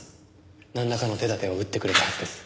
なんらかの手だてを打ってくれるはずです。